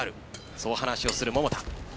そう話をする桃田。